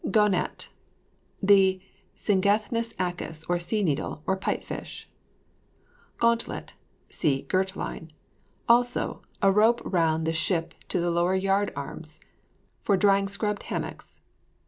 GAUGNET. The Sygnathus acus, sea needle, or pipe fish. GAUNTLET. (See GIRT LINE.) Also, a rope round the ship to the lower yard arms, for drying scrubbed hammocks.